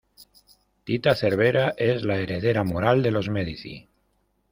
Tita Cervera es la heredera moral de los Medici.